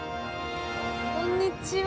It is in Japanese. こんにちは。